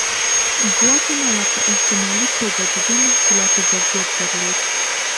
ګواتیمالا په احتمالي توګه د دې محصولاتو ظرفیت درلود.